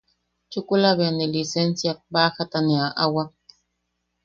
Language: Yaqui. Chukula bea ne lisensiak, baajata ne aʼawak.